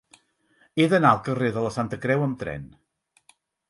He d'anar al carrer de la Santa Creu amb tren.